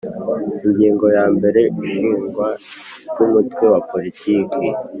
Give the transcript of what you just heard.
Ingingo ya mbere Ishingwa ry umutwe wa politiki